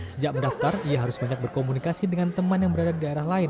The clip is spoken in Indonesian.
sejak mendaftar ia harus banyak berkomunikasi dengan teman yang berada di daerah lain